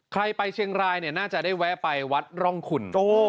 ใครไปเชียงรายเนี่ยน่าจะได้แวะไปวัดร่องคุณ